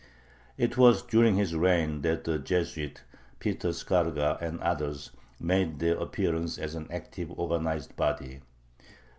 It was during his reign that the Jesuits, Peter Skarga and others, made their appearance as an active, organized body.